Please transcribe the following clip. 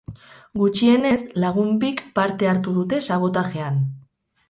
Gutxienez lagun bik parte hartu dute sabotajean.